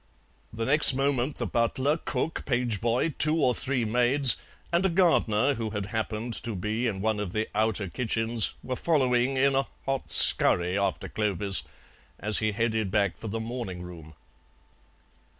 The next moment the butler, cook, page boy, two or three maids, and a gardener who had happened to be in one of the outer kitchens were following in a hot scurry after Clovis as he headed back for the morning room.